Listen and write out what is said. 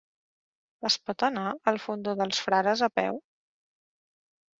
Es pot anar al Fondó dels Frares a peu?